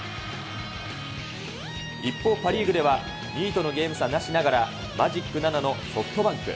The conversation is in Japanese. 一方、パ・リーグでは２位とのゲーム差なしながら、マジック７のソフトバンク。